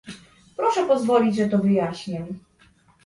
Proszę pozwolić, że to wyjaśnię